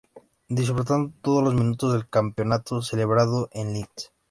Disputando todos los minutos del campeonato celebrado en Linz.